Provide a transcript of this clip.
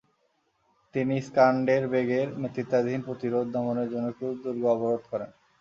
তিনি স্কান্ডেরবেগের নেতৃত্বাধীন প্রতিরোধ দমনের জন্য ক্রুজ দুর্গ অবরোধ করেন।